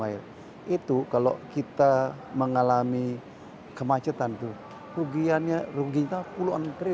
itu kalau kita mengalami kemacetan tuh rugianya rugianya itu puluhan kri